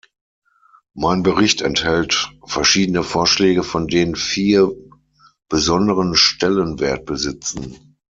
Mein Bericht enthält verschiedene Vorschläge, von denen vier besonderen Stellenwert besitzen.